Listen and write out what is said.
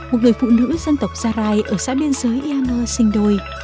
một người phụ nữ dân tộc sarai ở xã biên giới ia mơ sinh đôi